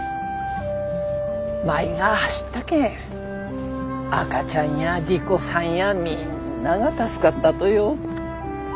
舞が走ったけん赤ちゃんや莉子さんやみんなが助かったとよ。